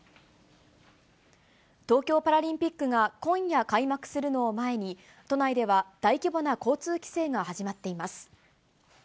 東京パラリンピックが今夜開幕するのを前に、都内では大規模な交通規制が始まっています。